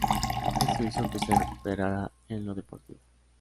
Esto hizo que se recuperara en lo deportivo.